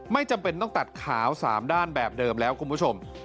จำเป็นต้องตัดขาว๓ด้านแบบเดิมแล้วคุณผู้ชม